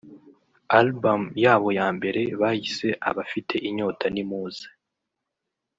Album yabo ya mbere bayise Abafite inyota nimuze